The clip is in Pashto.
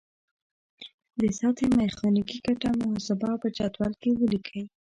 د سطحې میخانیکي ګټه محاسبه او په جدول کې ولیکئ.